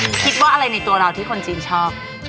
คิดว่าอะไรในตัวเราที่คนจีนชอบ